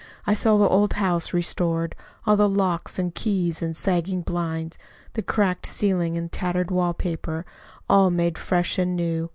I saw the old house restored all the locks and keys and sagging blinds, the cracked ceilings and tattered wallpaper all made fresh and new.